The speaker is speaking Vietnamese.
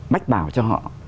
bách bảo cho họ